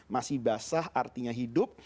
masih basah artinya hidup